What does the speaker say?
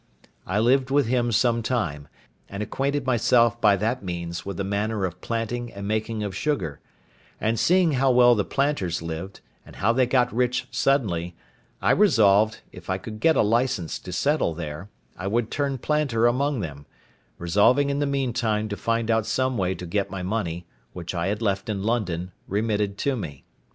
I lived with him some time, and acquainted myself by that means with the manner of planting and making of sugar; and seeing how well the planters lived, and how they got rich suddenly, I resolved, if I could get a licence to settle there, I would turn planter among them: resolving in the meantime to find out some way to get my money, which I had left in London, remitted to me.